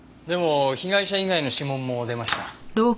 でも被害者以外の指紋も出ました。